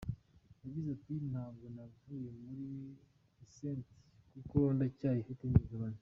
Yagize ati “Ntabwo navuye muri Decent kuko ndacyafitemo imigabane.